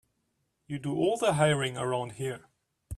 You do all the hiring around here.